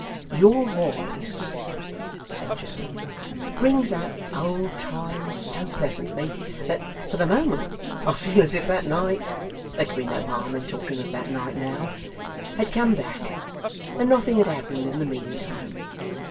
'Your voice,' said Joe, 'brings up old times so pleasantly, that, for the moment, I feel as if that night there can be no harm in talking of that night now had come back, and nothing had happened in the mean time.